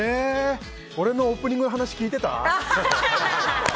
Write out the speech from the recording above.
俺のオープニングの話聞いてた？